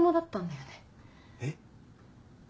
えっ？